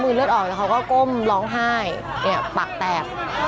เลือดออกแล้วเขาก็ก้มร้องไห้เนี่ยปากแตก